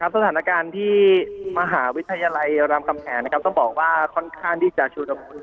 สถานการณ์ที่มหาวิทยาลัยรามคำแหงต้องบอกว่าค่อนข้างที่จะชุดละมุน